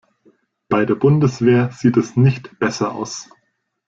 Bei der Bundeswehr sieht es nicht besser aus.